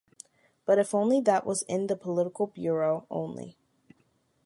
But if only that was in The Political Bureau only.